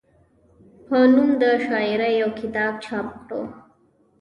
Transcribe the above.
پۀ نوم د شاعرۍ يو کتاب چاپ کړو،